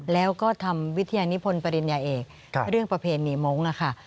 แล้วก็ทำวิทยานิพลปริญญาเอกเรื่องประเพณีมงค์ค่ะ